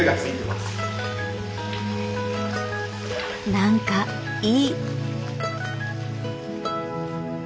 何かいい。